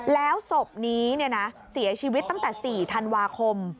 แล้วศพนี้เสียชีวิตตั้งแต่๔ธันวาคม